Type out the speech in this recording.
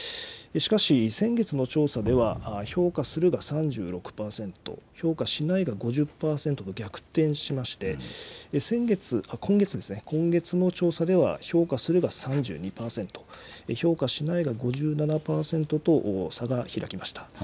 しかし先月の調査では、評価するが３６％、評価しないが５０％と逆転しまして、今月の調査では評価するが３２％、評価しないが５７％と、差が開きました。